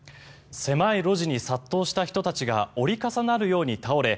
狭い路地に殺到した人たちが折り重なるように倒れ